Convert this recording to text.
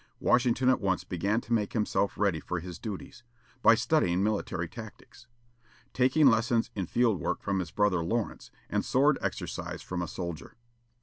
Washington at once began to make himself ready for his duties, by studying military tactics; taking lessons in field work from his brother Lawrence, and sword exercise from a soldier.